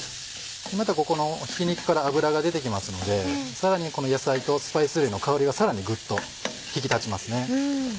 ここのひき肉から脂が出てきますのでさらにこの野菜とスパイス類の香りがさらにグッと引き立ちますね。